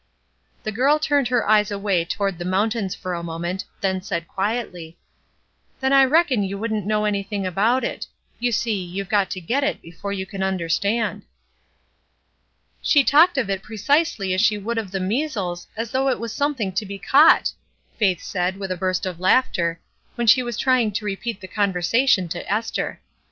The girl turned her eyes away toward the mountains for a moment, then said quietly: — "Then I reckon you wouldn't know any thing about it; you see, you've got to get it before you can tmderstand." "She talked of it precisely as she would of the measles, as though it was something to be caught I" Faith said, with a burst of laughter, when she was trying to repeat the conversation to Esther.